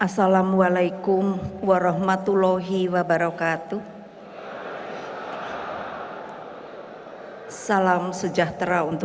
salam sejahtera untuk kita